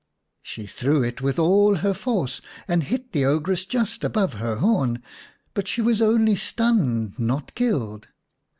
She threw it with all her force and hit the ogress just above her horn ; but she was only stunned, not killed.